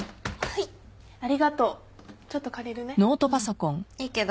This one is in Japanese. いいけど。